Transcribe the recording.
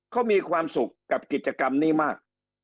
เขามีความสุขกับกิจกรรมนี้มาก